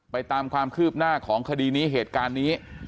ตามความคืบหน้าของคดีนี้เหตุการณ์นี้